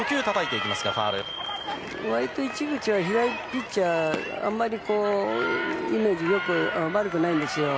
割と市口は左ピッチャーは、あまりイメージ悪くないんですよ。